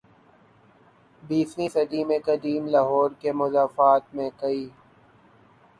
یسویں صدی میں قدیم لاہور کے مضافات میں کئی